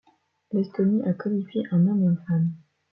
L'Estonie a qualifié un homme et une femme.